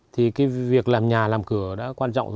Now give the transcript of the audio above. thì việc làm nhà làm cửa đã quan trọng rồi